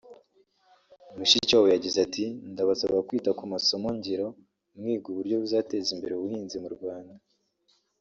Mushikiwabo yagize ati “Ndabasaba kwita ku masomo ngiro mwiga uburyo buzateza imbere ubuhinzi mu Rwanda